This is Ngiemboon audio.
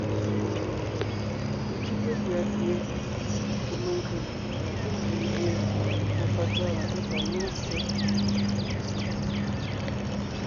Pi tʉ́te pʉ̀a pie ntsẅì menkʉ̀ la kím fʉʼ gie fùɔ patsɔ́ɔn la tó tà néŋe ssé.